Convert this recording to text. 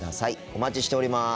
お待ちしております。